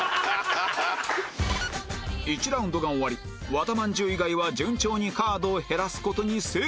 １ラウンドが終わり和田まんじゅう以外は順調にカードを減らす事に成功